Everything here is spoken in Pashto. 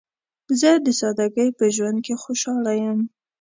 زه د سادګۍ په ژوند کې خوشحاله یم.